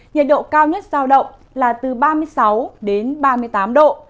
nhiệt độ cao nhất giao động là từ ba mươi sáu đến ba mươi tám độ